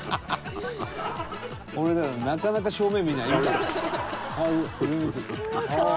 「俺らなかなか正面見ない」